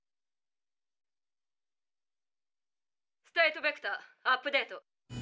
ステイトベクターアップデート。